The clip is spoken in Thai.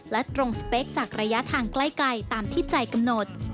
และตรงสเปคจากระยะทางใกล้ตามที่ใจกำหนด